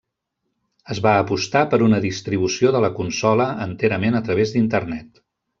Es va apostar per una distribució de la consola enterament a través d'Internet.